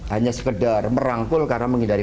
hanya sekedar merangkul karena menghindari